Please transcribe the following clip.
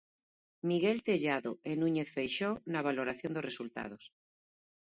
Miguel Tellado e Núñez Feixóo na valoración dos resultados.